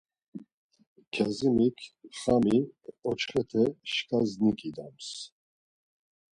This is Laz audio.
Kyazimik xami oçxete şkas niǩidams.